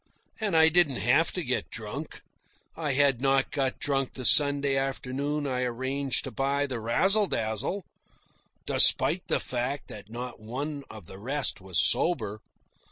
And I didn't have to get drunk. I had not got drunk the Sunday afternoon I arranged to buy the Razzle Dazzle, despite the fact that not one of the rest was sober.